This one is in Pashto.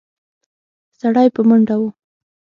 سړی په منډه و.